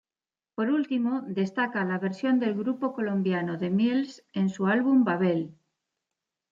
Por último, destaca la versión del grupo colombiano The Mills en su álbum "Babel".